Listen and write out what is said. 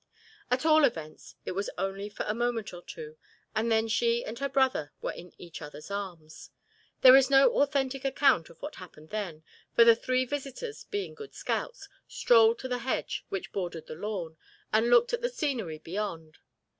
At all events, it was only for a moment or two and then she and her brother were in each other's arms. There is no authentic account of what happened then, for the three visitors, being good scouts, strolled to the hedge which bordered the lawn and looked at the scenery beyond.